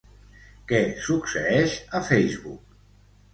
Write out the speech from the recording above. Què succeeix a Facebook?